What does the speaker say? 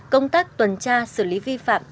công tác tuần tra xử lý vi phạm